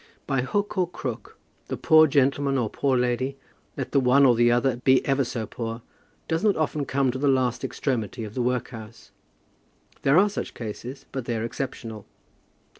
By hook or crook, the poor gentleman or poor lady, let the one or the other be ever so poor, does not often come to the last extremity of the workhouse. There are such cases, but they are exceptional.